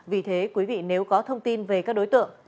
vì thế quý vị nếu có thông tin về các đối tượng